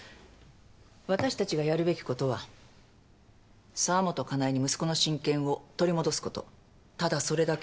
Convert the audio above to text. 私たちがやるべきことは澤本香奈江に息子の親権を取り戻すことただそれだけ。